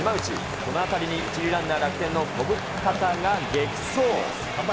この当たりに１塁ランナー、楽天の小深田が激走。